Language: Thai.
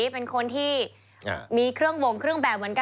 เป็นคนที่มีเครื่องบ่งเครื่องแบบเหมือนกัน